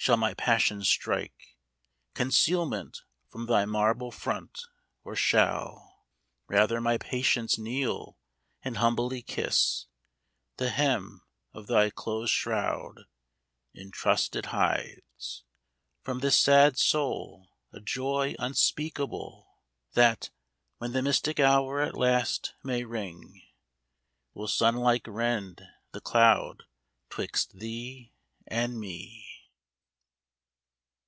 Shall my passion strike Concealment from thy marble front, or shall Rather my patience kneel and humbly kiss The hem of thy close shroud, in trust it hides From this sad soul a joy unspeakable That, when the mystic hour at last may ring, Will sun like rend the cloud 'twixt thee and me